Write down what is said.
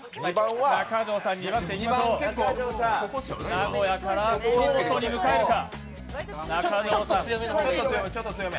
名古屋から京都に迎えるか。